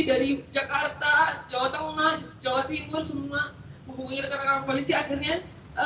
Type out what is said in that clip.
dari jakarta jawa tengah jawa timur semua menghubungi rekan rekan koalisi akhirnya